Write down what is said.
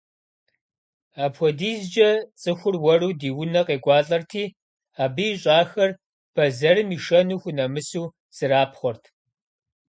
АпхуэдизкӀэ цӀыхур уэру ди унэ къекӀуалӀэрти, абы ищӀахэр, бэзэрым ишэну хунэмысу, зэрапхъуэрт.